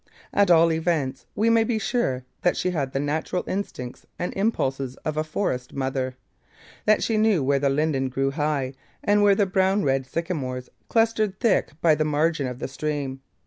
At all events we may be sure that she had the natural instincts and impulses of a forest mother; that she knew where the linden grew high and where the brown red sycamores clustered thick by the margin of the stream.